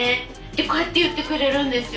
こうやって言ってくれるんですよ